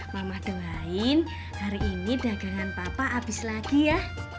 mama doain hari ini dagangan papa habis lagi ya